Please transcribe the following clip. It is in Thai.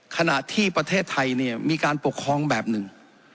ขณะที่ประเทศไทยเนี่ยมีการปกครองแบบหนึ่ง